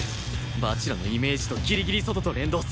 蜂楽のイメージのギリギリ外と連動する